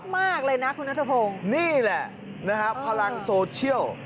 มากเลยนะคุณนัทพงศ์นี่แหละนะฮะพลังโซเชียล